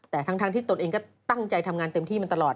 แต่ทั้งที่ตนเองก็ตั้งใจทำงานเต็มที่มันตลอด